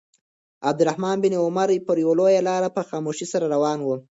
عبدالله بن عمر پر یوه لاره په خاموشۍ سره روان و.